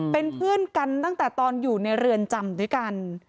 เป็นเพื่อนกันตั้งแต่ตอนอยู่ในเรือนจำด้วยกัน